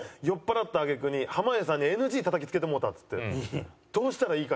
「酔っ払った揚げ句に濱家さんにＮＧたたきつけてもうた」っつって。